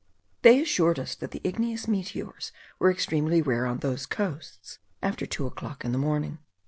They assured us that igneous meteors were extremely rare on those coasts after two o'clock in the morning.